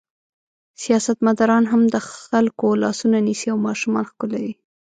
سیاستمداران هم د خلکو لاسونه نیسي او ماشومان ښکلوي.